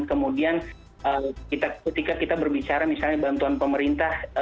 kemudian ketika kita berbicara misalnya bantuan pemerintah